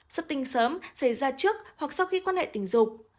xuất tinh sớm xảy ra trước hoặc sau khi quan hệ tình dục